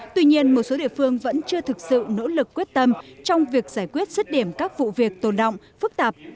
tuy nhiên một số địa phương vẫn chưa thực sự nỗ lực quyết tâm trong việc giải quyết sức điểm các vụ việc tồn động phức tạp